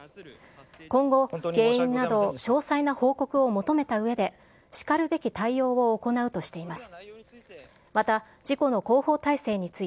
今後、原因など詳細な報告を求めたうえで、しかるべき対応を行うとしています。